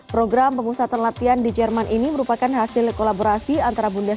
program pemusatan latihan di jerman ini merupakan hasil kolaborasi antara bundes